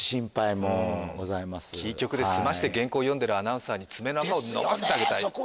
キー局で澄まして原稿読んでるアナウンサーに爪のあかを飲ませてあげたいですよ